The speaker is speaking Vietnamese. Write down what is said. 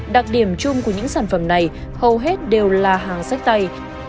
đặc điểm chung của những sản phẩm này hầu hết đều là hàng sách tay